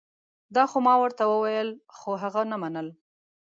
دا خو ما ورته وویل خو هغه نه منل